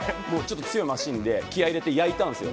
強いマシンで気合入れて焼いたんですよ。